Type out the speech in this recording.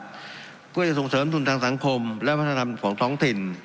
เพื่อจะส่งเสริมทุนทางสังคมและวัฒนธรรมของท้องถิ่น